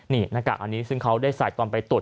นี่หน้ากากอันนี้ซึ่งเขาได้ใส่ตอนไปตรวจ